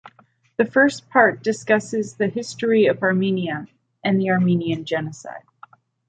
The first part discusses the history of Armenia and the Armenian genocide.